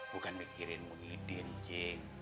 bukan mikirin muidin cik